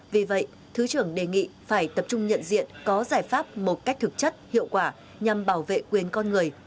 vì vậy thứ trưởng đề nghị phải tập trung nhận diện có giải pháp một cách thực chất hiệu quả nhằm bảo vệ quyền con người